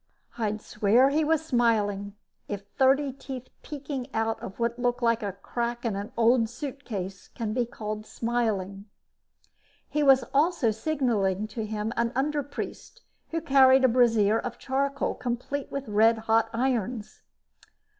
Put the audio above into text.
I'd swear he was smiling, if thirty teeth peeking out of what looked like a crack in an old suitcase can be called smiling. He was also signaling to him an underpriest who carried a brazier of charcoal complete with red hot irons.